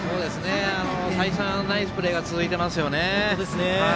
再三、ナイスプレーが続いていますよね。